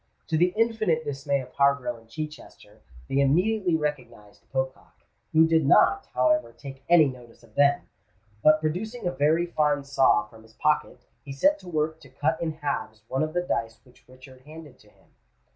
To the infinite dismay of Harborough and Chichester, they immediately recognised Pocock, who did not, however, take any notice of them: but producing a very fine saw from his pocket, he set to work to cut in halves one of the dice which Richard handed to him.